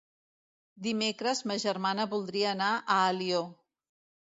Dimecres ma germana voldria anar a Alió.